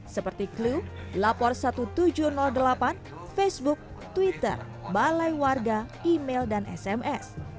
seperti clue lapor seribu tujuh ratus delapan facebook twitter balai warga email dan sms